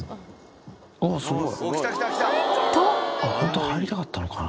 すごい！とホントは入りたかったのかな。